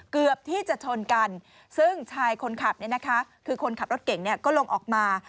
เกือบที่จะชนกันซึ่งชายคนขับเนี่ยนะคะคือคนขับรถเก่งก็ลงออกมา